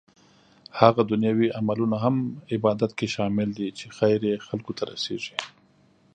هغه دنيوي عملونه هم عبادت کې شامل دي چې خير يې خلکو ته رسيږي